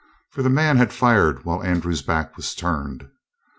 For the man had fired while Andrew's back was turned.